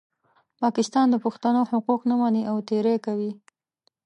پاکستان د پښتنو حقوق نه مني او تېری کوي.